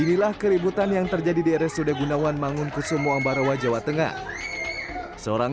inilah keributan yang terjadi di rs ude gundawan mangun kusumo ambarawa jawa tengah seorang